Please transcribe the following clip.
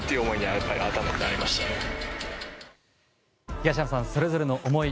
東山さん、それぞれの思い